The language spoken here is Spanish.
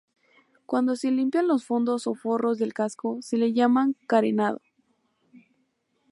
Cuando se limpian los fondos o forros del casco, se le llama carenado.